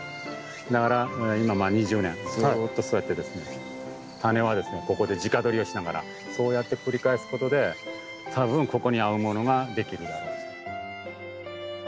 だから今まあ２０年ずっとそうやってですねタネはここで直どりをしながらそうやって繰り返すことでたぶんここに合うものが出来るだろうと。